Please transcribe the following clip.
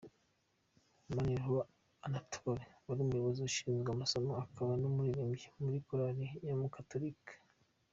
Maniriho Anathole wari Umuyobozi ushinzwe amasomo akaba n’ umuririmbyi muri korari y’ abagatolika.